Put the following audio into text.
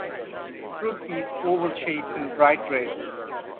Fruit is oval shaped and bright red.